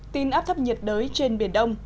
tin áp thấp nhiệt đới trên biển đông